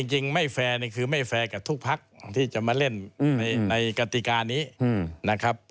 จริงไม่แฟร์นี่คือไม่แฟร์กับทุกพักที่จะมาเล่นในกติกานี้นะครับ